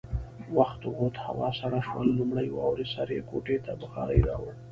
وخت ووت، هوا سړه شوه، له لومړۍ واورې سره يې کوټې ته بخارۍ راوړه.